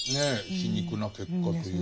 皮肉な結果というか。